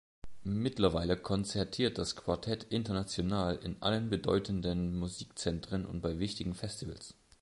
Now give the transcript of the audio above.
Mittlerweile konzertiert das Quartett international in allen bedeutenden Musikzentren und bei wichtigen Festivals.